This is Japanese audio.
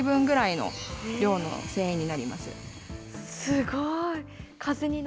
すごい。